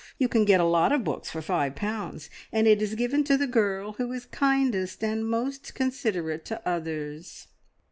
You can get a lot of books for five pounds, and it is given to the girl who is kindest and most considerate to others.